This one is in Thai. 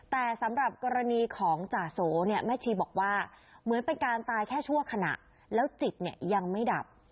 แต่สำหรับกรณีของจ่าโสเนี่ยแม่ชีบอกว่าเหมือนเป็นการตายแค่ชั่วขณะแล้วจิตเนี่ยยังไม่ดับ